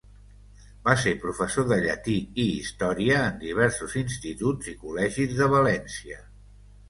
Va ser professor de llatí i història en diversos instituts i col·legis de València.